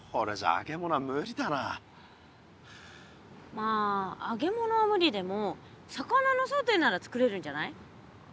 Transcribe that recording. まあ揚げ物はむりでも魚のソテーならつくれるんじゃない？